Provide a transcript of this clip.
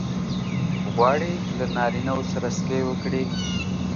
غواړې له نارینه وو سره سکی وکړې؟